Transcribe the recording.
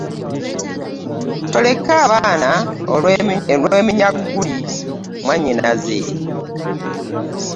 Toleka abaana olw'ebinywagguli mwanyinazze .